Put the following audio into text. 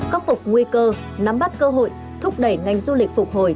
khắc phục nguy cơ nắm bắt cơ hội thúc đẩy ngành du lịch phục hồi